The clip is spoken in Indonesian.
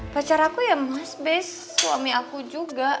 pacar aku ya mas base suami aku juga